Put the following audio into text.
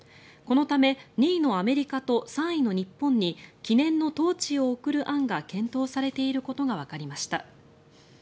このため２位のアメリカと３位の日本に記念のトーチを贈る案が検討されていることがわかりました。